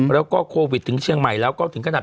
แล้วก็โควิดถึงเชียงใหม่แล้วก็ถึงขนาด